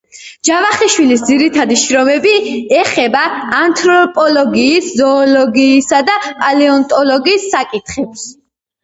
ჯავახიშვილის ძირითადი შრომები ეხება ანთროპოლოგიის, ზოოლოგიისა და პალეონტოლოგიის საკითხებს.